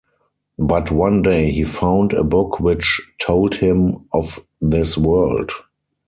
But one day he found a book which told him of this world.